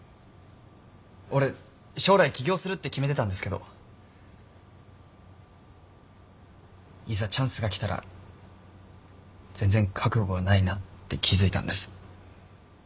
俺将来起業するって決めてたんですけどいざチャンスが来たら全然覚悟がないなって気付いたんです。